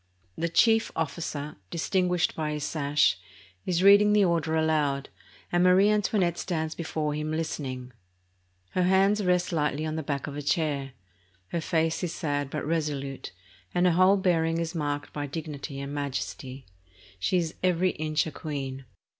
The chief officer, dis tinguished by his sash, is reading the order aloud, and Marie Antoinette .stands before him listening. Her hand rests lightly on the back of a chair. Her face is sad but resolute, and her whole bearing is marked by dignity and majesty. She is every inch a queen.